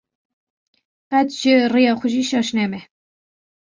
qet ji rêya xwe jî şaş nebe.